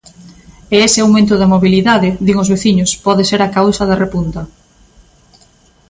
E ese aumento da mobilidade, din os veciños, pode ser a causa da repunta.